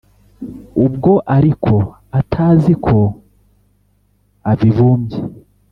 Ubwo ariko atazi ko Abibumbye